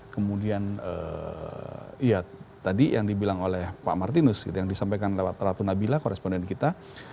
kemudian ya tadi yang dibilang oleh pak martinus gitu yang disampaikan lewat ratu nabila koresponden kita